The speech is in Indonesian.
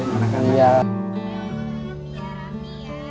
pengen jadi anak anak itu belajar